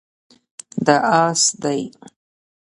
دا اس دی